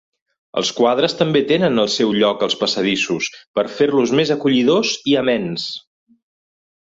Els quadres també tenen el seu lloc als passadissos per fer-los més acollidors i amens.